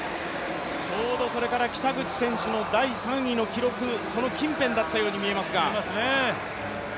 ちょうど北口選手の第３位の記録近辺だったように見えますが。